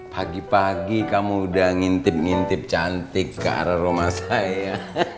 pagi pagi kamu udah ngintip ngintip cantik ke arah rumah saya